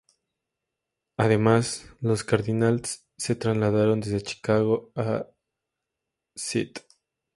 Además, los Cardinals se trasladaron desde Chicago a St.